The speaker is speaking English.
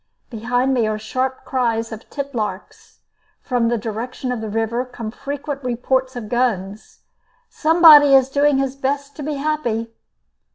Behind me are sharp cries of titlarks. From the direction of the river come frequent reports of guns. Somebody is doing his best to be happy!